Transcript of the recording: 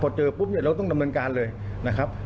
พอเจอปุ๊บเนี่ยเราต้องดำเนินการเลยนะครับ